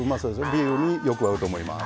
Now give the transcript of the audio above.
ビールによく合うと思います。